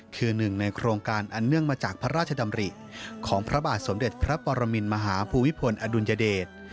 คือหนึ่งในโครงการอันเนื่องมาจากพระราชดำริของพระบาทสมเด็จพระปรมินมหาภูมิพลอดุลยเดช